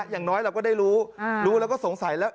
อย่างน้อยเราก็ได้รู้รู้แล้วก็สงสัยแล้ว